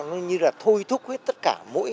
nó như là thôi thúc hết tất cả mỗi